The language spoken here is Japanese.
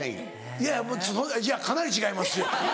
いやいやいやかなり違いますよ。